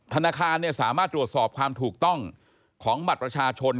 ธนาคารสามารถตรวจสอบความถูกต้องของบัตรประชาชน